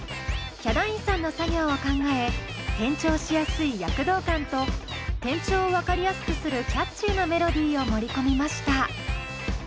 ヒャダインさんの作業を考え転調しやすい躍動感と転調を分かりやすくするキャッチーなメロディーを盛り込みました。